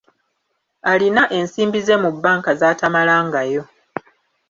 Alina ensimbi ze mu banka z'atamalangayo.